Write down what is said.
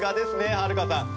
はるかさん。